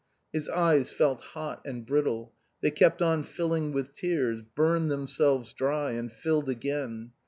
His eyes felt hot and brittle; they kept on filling with tears, burned themselves dry and filled again.